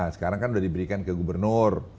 sekarang kan sudah diberikan ke gubernur